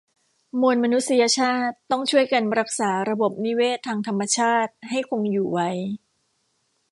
มวลมนุษยชาติต้องช่วยกันรักษาระบบนิเวศทางธรรมชาติให้คงอยู่ไว้